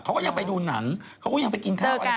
ไปคนนี้